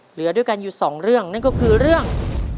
เหลือด้วยกันอยู่สองเรื่องนั่นก็คือเรื่อง